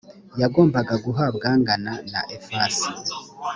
yagombaga guhabwa angana na efasi